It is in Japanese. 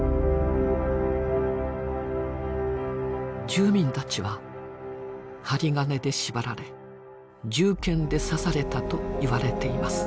住民たちは針金で縛られ銃剣で刺されたといわれています。